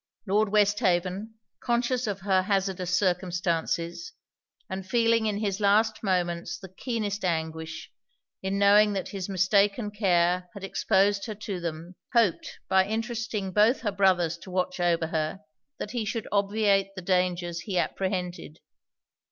Lord Westhaven, conscious of her hazardous circumstances, and feeling in his last moments the keenest anguish, in knowing that his mistaken care had exposed her to them, hoped, by interesting both her brothers to watch over her, that he should obviate the dangers he apprehended.